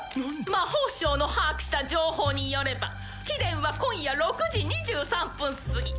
「魔法省の把握した情報によれば貴殿は今夜６時２３分すぎ」